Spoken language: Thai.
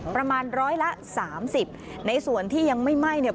ประมาณร้อยละสามสิบในส่วนที่ยังไม่ไหม้เนี่ย